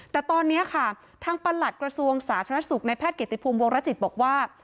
แต่ตอนนี้ค่ะทางประหลัดกระทรวงสาธารณสุขในแพทย์เกติภูมิวงรจิตบอกว่า